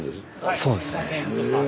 そうですね。